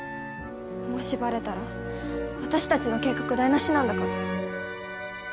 もしバレたら私たちの計画台無しなんだから。